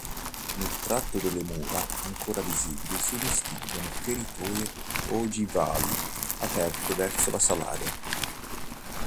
Nel tratto delle mura ancora visibili si distinguono feritoie ogivali aperte verso la Salaria.